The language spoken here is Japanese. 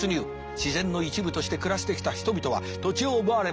自然の一部として暮らしてきた人々は土地を奪われました。